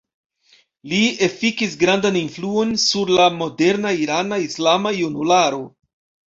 Li efikis grandan influon sur la moderna irana islama junularo.